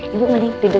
ibu mending duduk